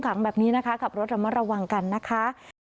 ขังแบบนี้นะคะขับรถระมัดระวังกันนะคะ